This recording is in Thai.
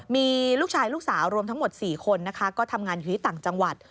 มีลูกชายลูกสาวรวมทั้งหมด๔คนนะคะก็ทำงานอยู่ที่ต่างจังหวัด